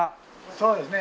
そうですね